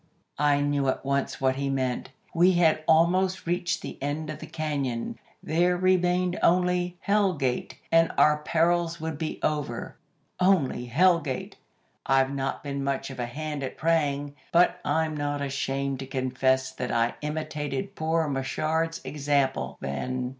"I knew at once what he meant. We had almost reached the end of the cañon. There remained only Hell Gate, and our perils would be over. Only Hell Gate! I've not been much of a hand at praying, but I'm not ashamed to confess that I imitated poor Machard's example then.